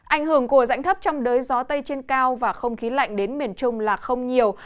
ảnh hưởng của rãnh thấp trong đới gió tây trên cao và không khí lạnh đến miền trung là không nhiều